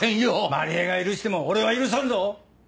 万里江が許しても俺は許さんぞ！